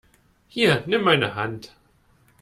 Hier, nimm meine Hand!